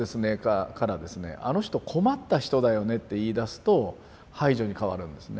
「あの人困った人だよね」って言いだすと排除に変わるんですね。